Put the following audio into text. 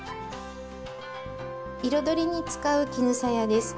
彩りに使う絹さやです。